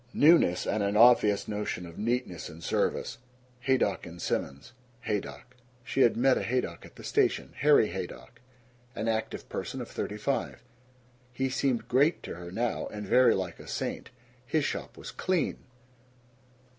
Newness and an obvious notion of neatness and service. Haydock & Simons. Haydock. She had met a Haydock at the station; Harry Haydock; an active person of thirty five. He seemed great to her, now, and very like a saint. His shop was clean!